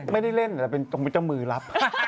ไม่ได้เล่นแต่เป็นกรมวิจมือรับ